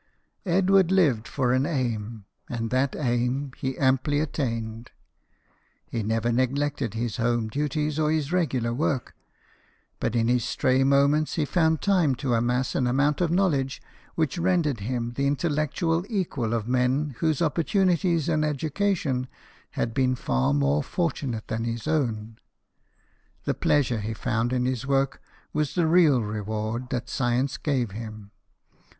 Edward lived for an aim, and that aim he amply attained. He never neg lected his home duties or his regular work ; but in his stray moments he found time to THOMAS EDWARD, SHOEMAKER. 191 amass an amount of knowledge which rendered him the intellectual equal of men whose oppor tunities and education had been far more fortu nate than his own. The pleasure he found in his work was the real reward that science gave him.